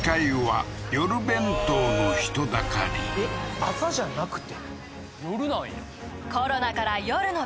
えっ朝じゃなくて？